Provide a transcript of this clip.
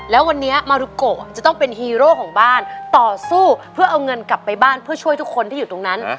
แล้ววันนี้มารุโกจะต้องเป็นฮีโร่ของบ้านต่อสู้เพื่อเอาเงินกลับไปบ้านเพื่อช่วยทุกคนที่อยู่ตรงนั้น